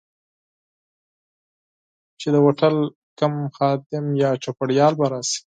چي د هوټل کوم خادم یا چوپړوال به راشي.